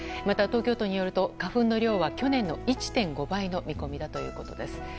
また東京都によると花粉の量は去年の１．５倍の見込みだということです。